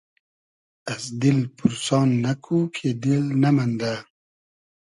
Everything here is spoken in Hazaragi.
از دیل پورسان نئکو کی دیل نئمئندۂ